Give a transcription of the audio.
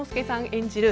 演じる